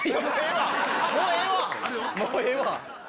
はい。